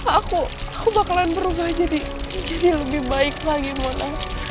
aku bakalan berubah jadi lebih baik lagi mona